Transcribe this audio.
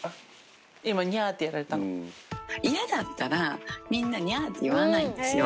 今、嫌だったら、みんな、ニャーって言わないんですよ。